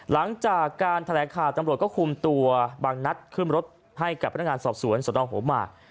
หลังจากการแถลงข่าวตำรวจก็คุมตัวบางนัดขึ้นรถให้กับพนักงานสอบสวนสนหัวหมาก